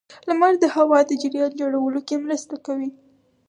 • لمر د هوا د جریان جوړولو کې مرسته کوي.